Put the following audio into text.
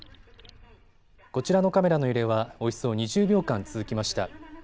こちらのカメラの揺れはおよそ２０秒間続きました。